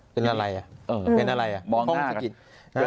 เป็นอะไรอ่ะมองหน้ากัน